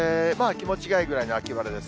気持ちがいいぐらいの秋晴れです。